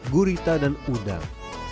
gurita dan udang